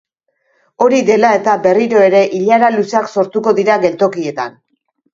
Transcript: Hori dela eta, berriro ere ilara luzeak sortuko dira geltokietan.